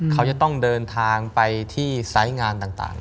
เขาจะต้องเดินทางไปที่ไซส์งานต่าง